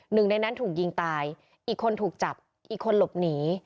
หนึ่งในนั้นถูกยิงตายอีกคนถูกจับอีกคนหลบหนี